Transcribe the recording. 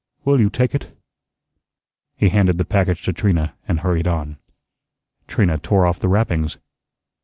Will you take it?" He handed the package to Trina and hurried on. Trina tore off the wrappings.